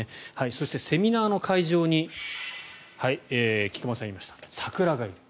そして、セミナーの会場に菊間さんが言いましたサクラがいる。